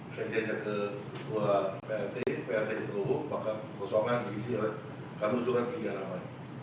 saya jadinya ke kedua prt prt itu maka kosongan diisi oleh kami usulkan tiga namanya